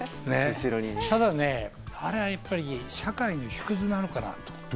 ただあれはやっぱり、社会の縮図なんだなと。